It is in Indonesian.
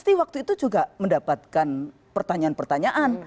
pasti waktu itu juga mendapatkan pertanyaan pertanyaan